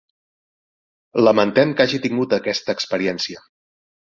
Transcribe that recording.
Lamentem que hagi tingut aquesta experiència.